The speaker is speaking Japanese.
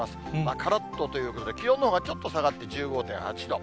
からっということで、気温のほうがちょっと下がって１５．８度。